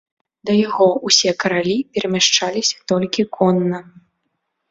Да яго ўсе каралі перамяшчаліся толькі конна.